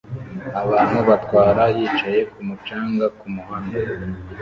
Abantu batwara yicaye kumu canga kumuhanda